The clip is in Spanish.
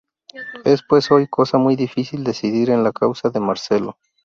Es pues hoy cosa muy difícil decidir en la causa de Marcelo.